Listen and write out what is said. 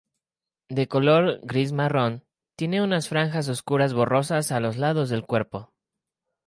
De color gris-marrón, tiene unas franjas oscuras borrosas a los lados del cuerpo.